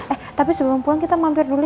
eh tapi sebelum pulang kita mampir dulu